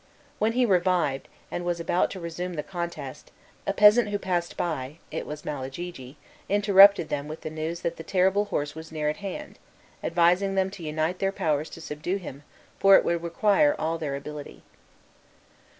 When he revived, and was about to resume the contest, a peasant who passed by (it was Malagigi) interrupted them with the news that the terrible horse was near at hand, advising them to unite their powers to subdue him, for it would require all their ability.